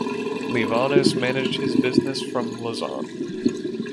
Livanos managed his business from Lausanne.